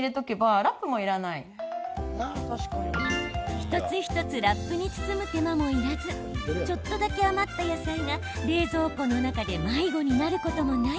一つ一つラップに包む手間もいらずちょっとだけ余った野菜が冷蔵庫の中で迷子になることもない。